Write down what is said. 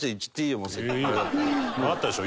わかったでしょ？